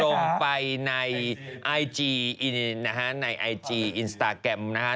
ลงไปในไอจีอินนะฮะในไอจีอินสตาแกรมนะฮะ